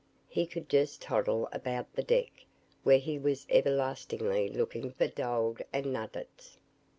He could just toddle about the deck, where he was everlastingly looking for "dold," and "nuddets."